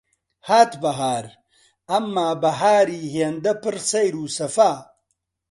هات بەهار، ئەمما بەهاری هێندە پڕ سەیر و سەفا